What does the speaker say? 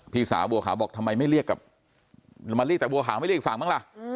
พี่สาวบัวขาวบอกทำไมไม่เรียกกับมาเรียกแต่บัวขาวไม่เรียกอีกฝั่งบ้างล่ะ